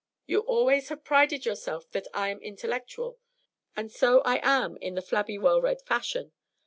You always have prided yourself that I am intellectual, and so I am in the flabby 'well read' fashion.